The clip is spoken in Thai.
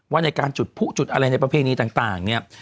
ในการจุดผู้จุดอะไรในประเพณีต่างเนี่ย